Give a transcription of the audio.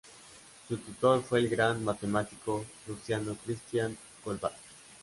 Su tutor fue el gran matemático prusiano Christian Goldbach.